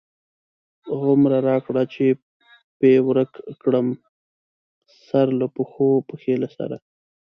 هومره راکړه چی پی ورک کړم، سر له پښو، پښی له سره